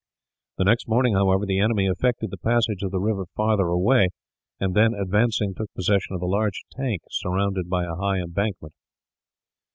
The next morning, however, the enemy effected the passage of the river farther away and then, advancing, took possession of a large tank surrounded by a high embankment.